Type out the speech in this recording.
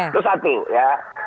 itu satu ya